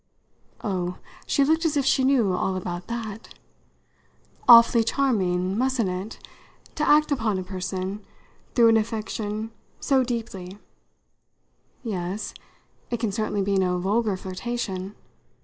Oh, she looked as if she knew all about that! "Awfully charming mustn't it? to act upon a person, through an affection, so deeply." "Yes it can certainly be no vulgar flirtation."